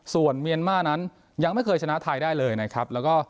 ส่วนเมียนมาร์นั้นยังไม่เคยชนะไทยได้เลยนะครับแล้วก็